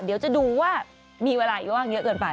เดี๋ยวจะดูว่ามีเวลาอยู่ว่างเยอะเกินไป